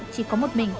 chỉ có một mình